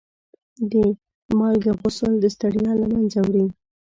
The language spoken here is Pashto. د مالګې غسل د ستړیا له منځه وړي.